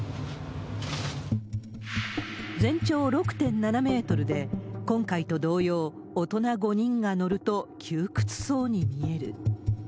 全長６．７メートルで、今回と同様、大人５人が乗ると窮屈そうに見える。